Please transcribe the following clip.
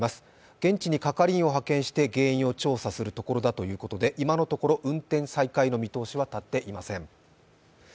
現地に係員を派遣して原因を調査するということで今のところ、運転再開の見通しは立っていません。